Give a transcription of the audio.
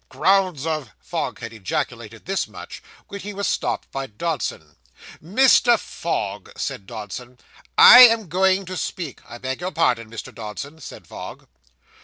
'Grounds of ' Fogg had ejaculated this much, when he was stopped by Dodson. 'Mr. Fogg,' said Dodson, 'I am going to speak.' I beg your pardon, Mr. Dodson,' said Fogg.